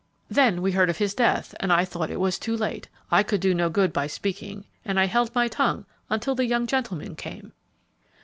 Then we heard of his death, and I thought it was too late; I could do no good by speaking, and I held my tongue until the young gentleman came."